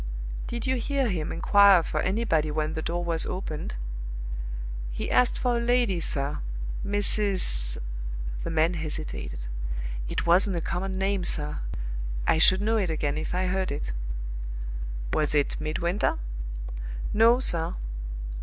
"Did you hear him inquire for anybody when the door was opened?" "He asked for a lady, sir. Mrs. " The man hesitated. "It wasn't a common name, sir; I should know it again if I heard it." "Was it 'Midwinter'?" "No, sir.